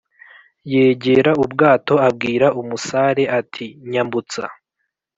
yegera ubwato abwira umusare ati:nyambutsa